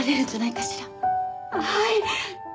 はい！